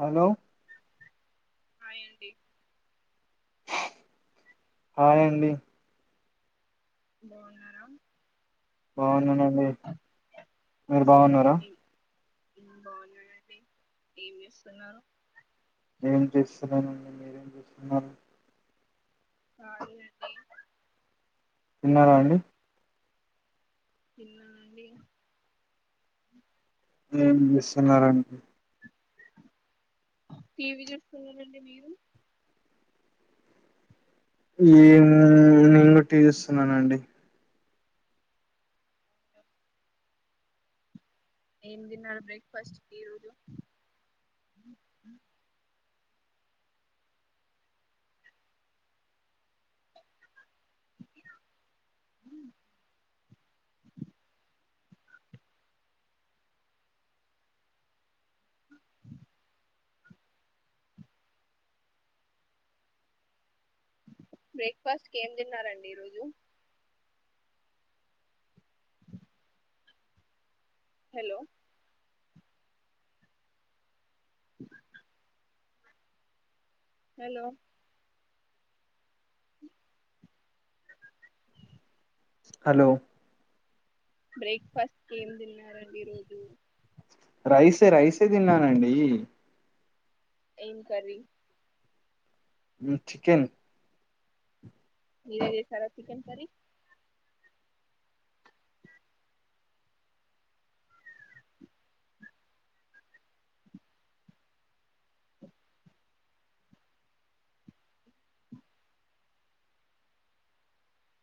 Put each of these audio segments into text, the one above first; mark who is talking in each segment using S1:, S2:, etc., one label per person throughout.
S1: Hello
S2: hi అండి
S1: hi అండి
S2: బాగున్నారా
S1: బాగున్నానండి మీరు బాగున్నారా
S2: ఏం- ఉమ్ బావున్నానండి ఏం జేస్తున్నారు
S1: ఏం చేస్తున్నానండి మీరేం చేస్తున్నారు
S2: హాయి అండి
S1: తిన్నారా అండి.
S2: తిన్నానండి
S1: ఏం జేస్తున్నారండి.
S2: టీవీ చూస్తున్నరండి మీరు
S1: నేను కూడా టి జుస్తున్నానండి.
S2: ఏం తిన్నారు బ్రేక్ఫాస్ట్ కు ఈ రోజు ఊ బ్రేక్ఫాస్ట్ కి ఏం తిన్నారండి ఈరోజు. హలో హలో
S1: హలో
S2: బ్రేక్ఫాస్ట్ కి ఏం తిన్నారండి ఈరోజు
S1: రైసే రైసే తిన్నానండి.
S2: ఏం కర్రి
S1: మ్ చికెన్
S2: మీరే చేసారా చికెన్ కర్రి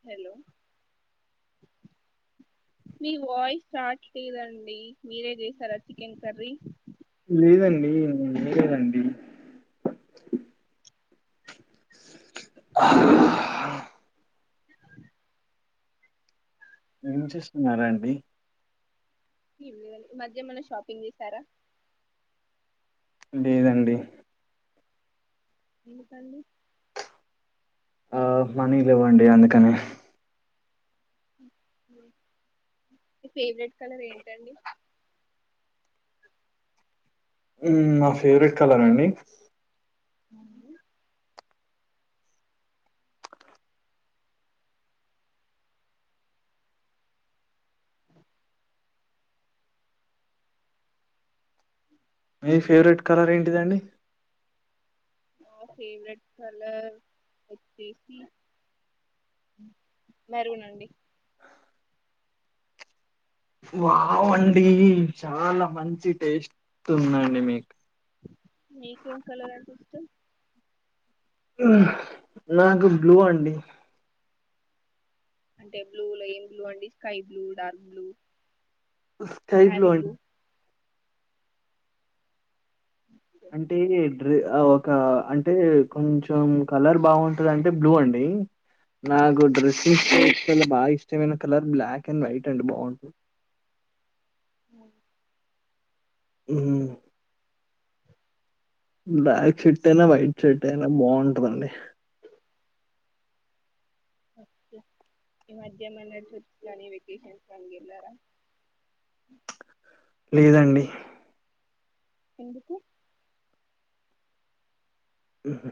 S2: హెలో మీ వాయిస్ రావట్లేదండి మీరే చేసారా చికెన్ కర్రి
S1: లేదండి నేన్ చేయలేదండి అహ్ ఏం చేస్తున్నారండి
S2: ఏం లేదండి ఈ మధ్య ఏమన్న షాపింగ్ చేసారా?
S1: లేదండి
S2: ఎందుకండీ?
S1: ఆ మనీ లేవ్వండి అందుకని
S2: మీ ఫేవరెట్ కలర్ ఏంటండి
S1: మ్ నా ఫేవరెట్ కలర్ ఆ అండి?
S2: అవును
S1: మీ ఫేవరెట్ కలర్ ఏంటిదండి?
S2: నా ఫేవరెట్ కలర్ వచ్చేసి మెరూన్ అండి
S1: వావ్ అండి చాలా మంచి టేస్ట్ ఉందండి మీకు
S2: నీకేం కలర్ అంటే ఇష్టం
S1: ఆ నాకు బ్లూ అండి
S2: అంటే బ్లూలో ఏం బ్లూ అండి sky blue dark blue
S1: sky blue అండి అంటే రే ఆ ఒక అంటే కొంచెం కలర్ బాగుంటదంటే బ్లూ అండి నా గుడ్రసి చాల బాగా ఇష్టమైన కలర్ బ్లాక్ అండ్ వైట్ అండి బాగుంటది. మ్ బ్లాక్ షర్ట్ అయినా వైట్ షర్ట్ అయినా బాగుంటదండి
S2: ఓకె ఈ మధ్య ఏమన్నా ట్రిప్స్ కానీ వెకేషన్స్ కానీ వెళ్లారా
S1: లేదండి
S2: ఎందుకు
S1: మ్హు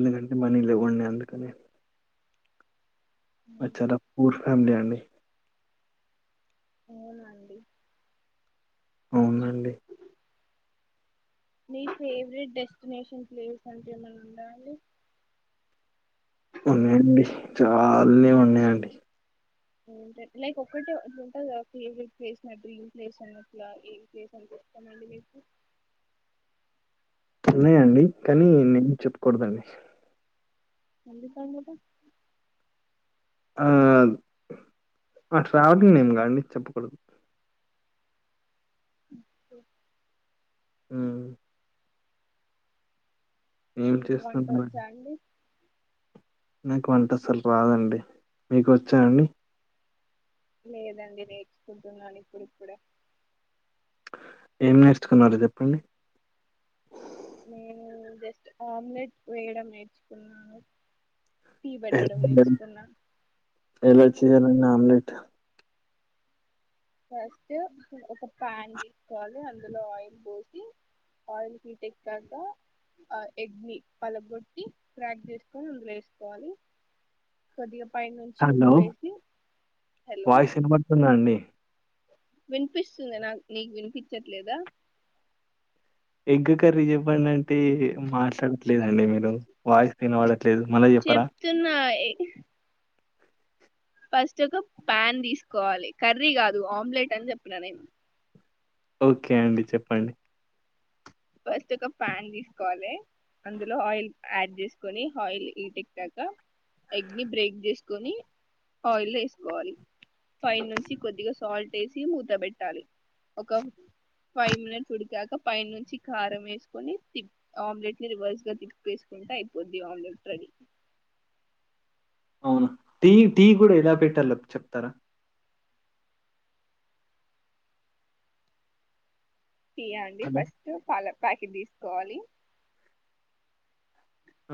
S1: లేదండి మనీ లేవండి అందుకని మాది చాలా పూర్ ఫ్యామిలీ అండి
S2: అవునా అండి
S1: అవునండి
S2: నీ ఫేవరెట్ డెస్టినేషన్ ప్లేస్ అంటు ఏమన్న ఉందా అండి
S1: ఉన్నాయండి చాలానే ఉన్నాయండి
S2: అంటె లైక్ ఒక్కటే అట్లుంటది కదా ఫేవరెట్ ప్లేస్ డ్రీమ్ ప్లేస్ అని అట్ల ఏం ప్లేస్ అని క మళ్ళీ మీకు
S1: ఉన్నాయండి కానీ నేను చెప్పుకూడదండి
S2: [unintelligible]
S1: ఆ ట్రావెలింగ్ [unintelligible] కా అండి చెప్పకూడదు హు ఏం
S2: మీకు వంట
S1: చేస్తున్నారండి?
S2: వచ్చా అండి
S1: నాకు వంట అసలు రాదండి మీకు వచ్చా అండి
S2: లేదండి నేర్చుకుంటున్నాను ఇప్పుడు ఇప్పుడే
S1: ఏం నేర్చుకున్నరో చెప్పండి
S2: నేను జస్ట్ ఆమ్లెట్ వేయడం నేర్చుకున్నాను టీ పెట్టడం నేర్చుకున్నాను
S1: [unintelligible]
S2: ఫస్ట్ ఒక పాన్ తీసుకోవాలి అందులో ఆయిల్ పోసి ఆయిల్ హీట్ ఎక్కినక ఆ ఎగ్ ని పలగగొట్టి క్రాక్ చేసుకొని అందులో వేసుకోవాలి [inaudible]
S1: హలో
S2: ఉప్పేసి
S1: వాయిస్ వినబడుతుంద అండి
S2: వినిపిస్తుందా నాకు నీకు వినిపించట్లేద
S1: ఎగ్గ కర్రీ చెప్పండి అంటే మాట్లాడట్లేదండి మీరు వాయిస్ [unintelligible] లేదు మళ్ళా చెప్పార
S2: చెప్తున్నా ఫస్ట్ ఒక పాన్ తీసుకోవాలి కర్రీ కాదు ఆమ్లెట్ అని చెప్పిన నేను
S1: ఓకే అండి చెప్పండి
S2: ఫస్ట్ ఒక ప్యాన్ తీసుకోవాలే అందులో ఆయిల్ యాడ్ చేసుకోని ఆయిల్ హీట్ ఎక్కాక ఎగ్ ని బ్రేక్ చేసుకొని ఆయిల్ వేసుకోవాలి పైన నుంచి కొద్దిగా సాల్ట్ ఎసి మూతపెట్టాలి ఒక ఫైవ్ మిట్ వుడికక పైన నుంచి కారం వేసుకొని తి ఆమ్లెట్ ని రివర్స్ గా తిప్పి వేసుకుంటే అయిపోద్ది ఆమ్లెట్ రెడీ
S1: అవున టీ టీ కూడా ఎలా పెట్టలో చెప్తార
S2: టీయాండి
S1: హలో!
S2: ఫస్ట్ పాల ప్యాకెట్ తీసుకోవాలే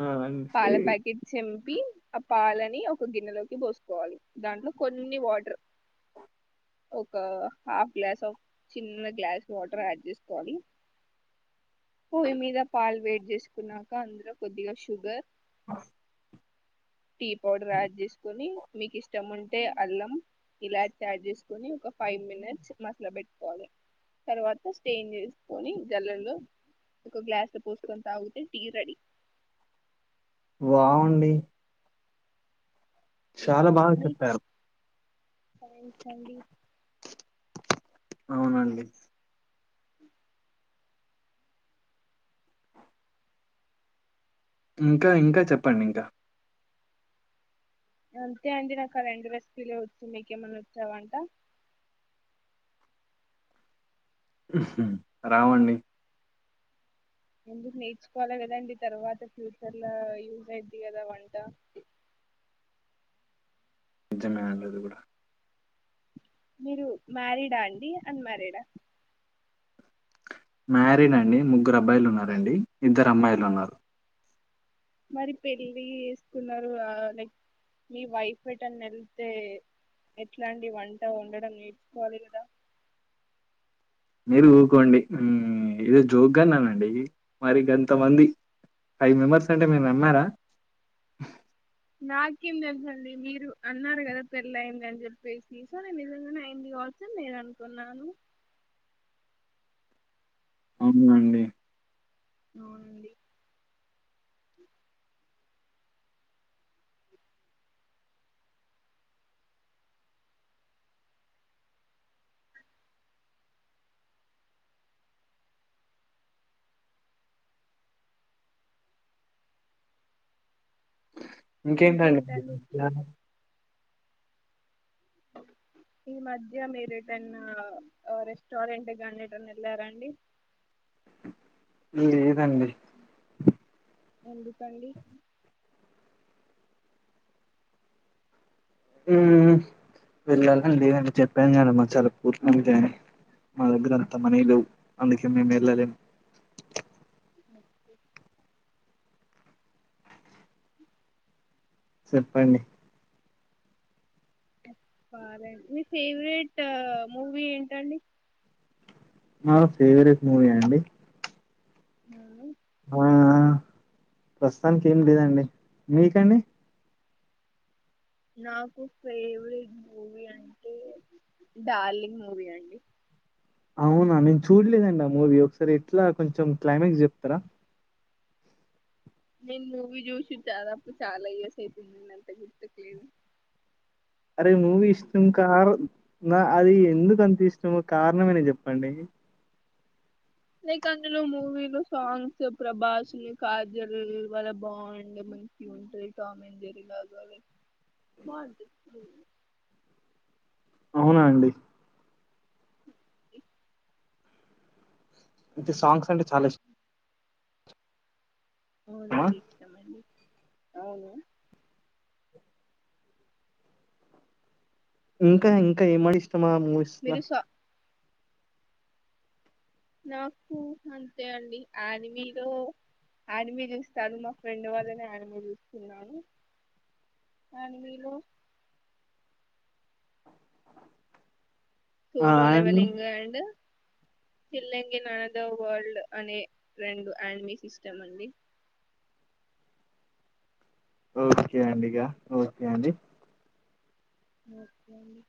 S1: ఆ! అండి.
S2: పాల ప్యాకెట్ [unintelligible] చింపి ఆ పాలని ఒక గిన్నెలోకి పోసుకోవాలి దాంట్లో కొన్ని వాటర్ ఒక హాఫ్ గ్లాస్ ఆఫ్ చిన్న గ్లాస్ వాటర్ యాడ్ చేస్కోవాలి పొయ్యి మీద పాలు వేడి చేసుకున్నాక అందులో కొద్దిగా షుగర్
S1: ఆ
S2: టీ పౌడర్ యాడ్ చేసుకోని మీకు ఇష్టం ఉంటే అల్లం ఇలాచి తయారు చేసుకుని ఒక ఫైవ్ మినిట్స్ మసలు పెట్టుకోవాలి తర్వాత షేర్ చేసుకొని [unintelligible] ఒక గ్లాస్ పోసుకొని తాగుతే టీ రెడి
S1: వావ్ అండి చాలా బాగ
S2: మీకు
S1: చెప్పారు
S2: [unintelligible]
S1: అవునండి ఇంకా ఇంకా చెప్పండి ఇంక
S2: అంతే అండి నాకు ఆ రెండు రెసిపీలు ఒచ్చు మీకేమన్నా వచ్చా వంట
S1: హుహు రావండి
S2: ఎందుకు నేర్చుకోవాలి కదాండి తర్వాత ఫ్యూచర్ లో యూజ్ అయిది కదా వంట
S1: నిజమే అండి అది కూడా
S2: మీరు మ్యారీడా అండి అన్మ్యారీడా
S1: మ్యారీన్ అండి ముగ్గురు అబ్బాయిలు ఉన్నారండి ఇద్దరు అమ్మాయిలు ఉన్నారు
S2: మరి పెళ్ళి వేసుకున్నారు ఆ లైక్ మీ వైఫ్ ఎటైనా వెళ్తే ఎట్లా అండి వంట వండడం నేర్చుకోవాలి కదా
S1: మీరు ఊకోండి ఉమ్ ఇదో జోక్ గా అన్నానండి మరి గంత మంది ఫైవ్ మెంబర్స్ అంటే మీరు నమ్మారా
S2: నాకేం తెలుసండి మీరు అన్నారు కదా పెళ్ళ అయింది అని చెప్పేసి సో నేను నిజంగానే అయింది కావచ్చు నేను అనుకున్నాను
S1: అవునండి
S2: అవునండి
S1: ఇంకేంటండి వీకెండ్ ప్లాను
S2: ఈ మధ్య మీరేటైన రెస్టారెంట్ కానీ ఎటైనా వెళ్లారండి
S1: లేదండి
S2: ఎందుకండి
S1: ఊ వెళ్లాలి అండి అని చెప్పాను కద మాది చాలా పూర్ ఫ్యామిలి మా దగ్గర అంత మనీ లేవు అందుకే మేము వెళ్ళలేం
S2: ఓకే
S1: చెప్పండి
S2: మీ ఫేవరెట్ మూవీ ఏంటండి
S1: నా ఫేవరెట్ మూవీ అ అండి
S2: హా
S1: ఆ ప్రస్తుతానికి ఏమి లేదండి మీకండి
S2: నాకు ఫేవరెట్ మూవీ అంటే డార్లింగ్ మూవీ అండి
S1: అవునా నేను చూడలేదండి ఆ మూవీ ఒకసారి ఎట్లా కొంచెం క్లైమాక్స్ చెప్తారా
S2: నేను మూవీ చూసి దాదాపు చాలా ఇయర్స్ అయితుంది నేన్న అంత గుర్తుకులేదు
S1: అరే మూవీ ఇష్టం కార నా అది ఎందుకు అంత ఇష్టము కారణమైన చెప్పండి
S2: లైక్ అందులో మూవీలు సాంగ్స్ ప్రభాస్ ని కాజల్ వల బాండ్ మంచిగా ఉంటే టామ్ అండ్ జెర్రీ లాగా బావుంటది మూవీ
S1: అవునా అండి
S2: ఇ
S1: అయితే సాంగ్స్ అంటే చాలా ఇష్ ఇష్టమా?
S2: అవునండి ఇచ్చామండి అవును
S1: ఇంకా ఇంకా ఏమా అండి ఇష్టం ఆ మూవీస్ల
S2: మీరు సా నాకు అంతే అండి అనిమీలో ఆనిమే చూస్తాను మా ఫ్రెండ్ వాళ్ళనే ఆనిమే చూస్తున్నాను ఆన్ని విలువు
S1: ఆ!
S2: Solo
S1: and
S2: Leveling and Chilling in Another World అనే రెండు అనిమీ సిస్టమ్ అండి.
S1: ఓకే అండి ఇగా ఓకే అండి.
S2: ఒకే అండి.